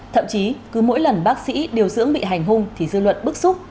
thậm chí cứ mỗi lần bác sĩ điều dưỡng bị hành hung thì dư luận bức xúc